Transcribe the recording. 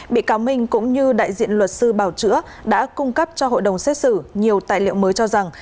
bị cáo minh cũng như đại diện luật sư bảo chữa đã cung cấp cho hội đồng xét xử nhiều tài liệu mới cho rằng